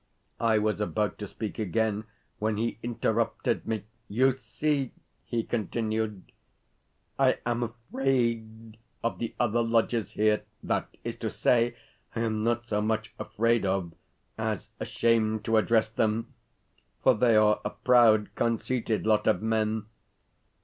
I was about to speak again when he interrupted me. "You see," he continued, "I am afraid of the other lodgers here. That is to say, I am not so much afraid of, as ashamed to address them, for they are a proud, conceited lot of men.